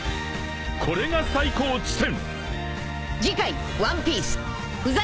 これが最高地点！］